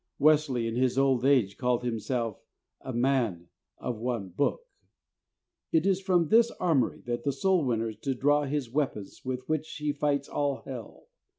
Wesley in his old age called himself "A man of one book." It is from this armory that the soul winner is to draw his weapons with which he fights all Hell.